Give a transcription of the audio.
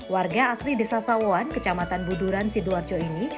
warga asli desa sawon kecamatan buduran sidoarjo ini